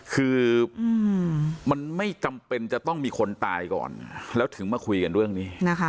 คือมันไม่จำเป็นจะต้องมีคนตายก่อนแล้วถึงมาคุยกันเรื่องนี้นะคะ